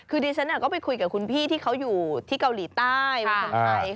คือดิฉันก็ไปคุยกับคุณพี่ที่เขาอยู่ที่เกาหลีใต้เมืองไทย